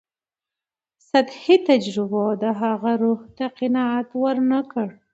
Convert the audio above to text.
سطحي تجربو د هغه روح ته قناعت ورنکړ.